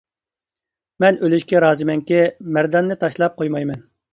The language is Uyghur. مەن ئۆلۈشكە رازىمەنكى مەرداننى تاشلاپ قويمايمەن!